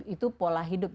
itu pola hidup